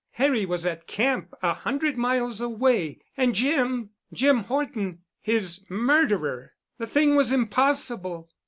Harry was at camp a hundred miles away—And Jim—Jim Horton—his murderer. The thing was impossible!...